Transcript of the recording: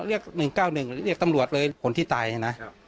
๑๙๑เรียกตำรวจเลยคนที่ตายนะ